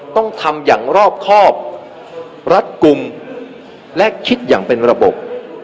ต้องทำอย่างรอบครอบรัดกลุ่มและคิดอย่างเป็นระบบ